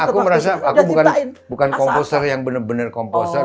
aku merasa aku bukan komposer yang benar benar komposer